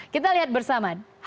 kita lihat bersama